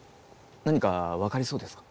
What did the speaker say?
何かわかりそうですか？